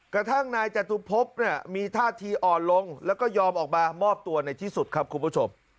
กระทั่งนายจตุพบเนี่ยมีท่าทีอ่อนลงแล้วก็ยอมออกมามอบตัวในที่สุดครับคุณผู้ชม